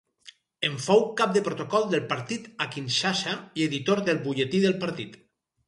En fou cap de protocol del partit a Kinshasa i editor del butlletí del partit.